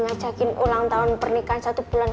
ngajakin ulang tahun pernikahan satu bulan